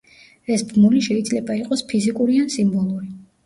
ეს ბმული შეიძლება იყოს ფიზიკური ან სიმბოლური.